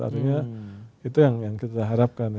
artinya itu yang kita harapkan